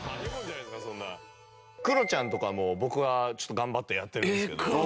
クロちゃんとかも僕は頑張ってやってるんですけど。